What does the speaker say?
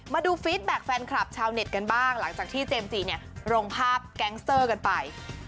ฟีดแบ็คแฟนคลับชาวเน็ตกันบ้างหลังจากที่เจมส์จีเนี่ยลงภาพแก๊งเซอร์กันไป